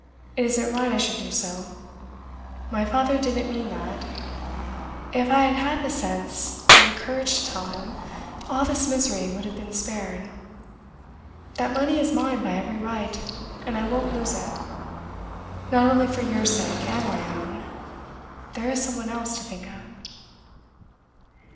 It isn't right I should do so. My father didn't mean that. If I had had the sense and the courage to tell him, all this misery would have been spared. That money is mine by every right, and I won't lose it. Not only for your sake and my own there is some one else to think of.